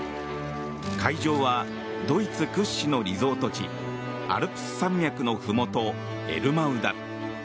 会場はドイツ屈指のリゾート地アルプス山脈のふもとエルマウだ。